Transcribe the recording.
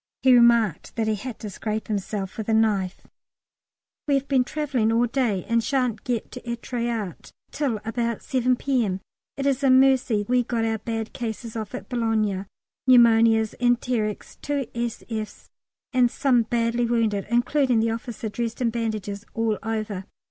He remarked that he had to scrape himself with a knife. We have been travelling all day, and shan't get to Êtretat till about 7 P.M. It is a mercy we got our bad cases off at Boulogne pneumonias, enterics, two s.f.'s, and some badly wounded, including the officer dressed in bandages all over.